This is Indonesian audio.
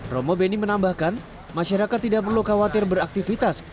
romo beni menambahkan masyarakat tidak perlu khawatir beraktivitas